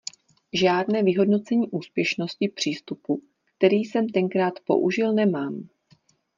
Žádné vyhodnocení úspěšnosti přístupu, který jsem tenkrát použil nemám.